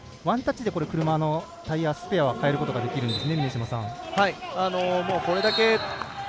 ワンタッチでタイヤのスペアは換えることができるんですね。